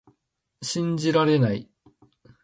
信じられない